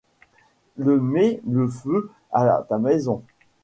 Ie mets le feu à ta maison!...